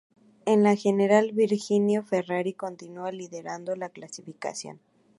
En la general, Virginio Ferrari continúa liderando la clasificación.